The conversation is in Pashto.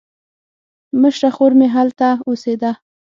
مشره خور مې هلته اوسېده.